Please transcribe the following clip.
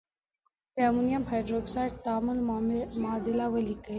د امونیم هایدرواکساید تعامل معادله ولیکئ.